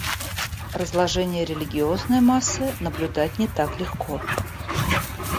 Разложение религиозной массы наблюдать не так легко.